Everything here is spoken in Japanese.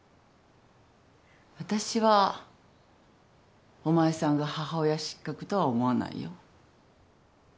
私はお前さんが母親失格とは思わないよ。